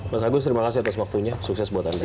mas agus terima kasih atas waktunya sukses buat anda